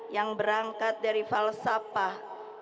yang berangkat dari falsafah